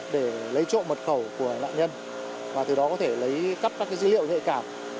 để lấy chỗ mật khẩu của nạn nhân và từ đó có thể lấy cắp các dữ hiệu nhạy cảm